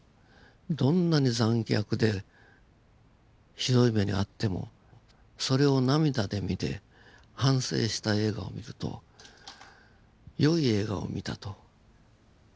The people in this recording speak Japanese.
どんなに残虐でひどい目に遭ってもそれを涙で見て反省した映画を見ると良い映画を見たと。